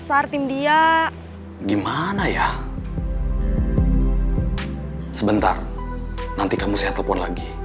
tapi kayaknya sekarang udah pergi